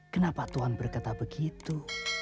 kenapa tuhan berkata begitu